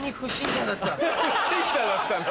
不審者だったの。